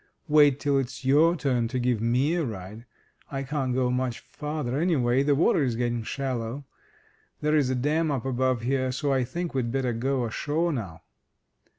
Wait till it's your turn to give me a ride. I can't go much farther, anyway, the water is getting shallow. There's a dam up above here, so I think we'd better go ashore now."